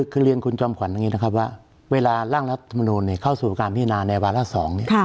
คือเรียนคุณจอมขวัญว่าเวลาร่างรัฐมนุนเข้าสู่การพินาในวารสอง